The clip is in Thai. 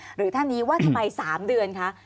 หรือท่านนี้ว่าทำไม๓เดือนคะ